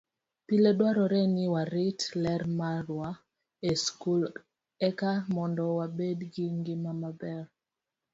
Pile dwarore ni warit ler marwa e skul eka mondo wabed gi ngima maber.